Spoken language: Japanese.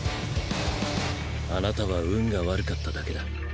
あなたは運が悪かっただけだ。